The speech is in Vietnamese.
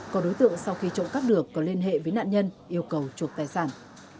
có đối tượng sau khi trộm cắp được có liên hệ với nạn nhân yêu cầu trục tài sản